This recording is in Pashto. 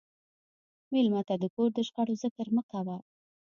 مېلمه ته د کور د شخړو ذکر مه کوه.